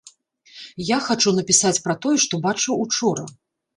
Я хачу напісаць пра тое, што бачыў учора.